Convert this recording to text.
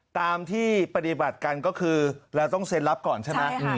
ตามที่ปฏิบัติกันก็คือเราต้องเซ็นรับก่อนใช่ไหม